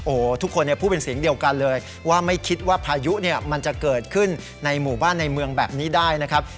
โอ้โหทุกคนพูดเป็นเสียงเดียวกันเลยว่าไม่คิดว่าพายุเนี่ยมันจะเกิดขึ้นในหมู่บ้านในเมืองแบบนี้ได้นะครับ